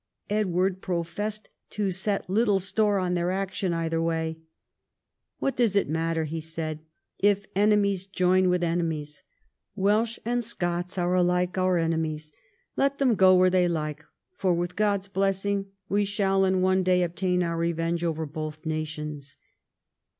Edward professed to set little store on their action either way. " What does it matter," he said, " if enemies join with enemies. Welsh and Scots arc alike our enemies. Let them go where they like, for, with God's blessing, we shall in one day obtain our revenge over both nations."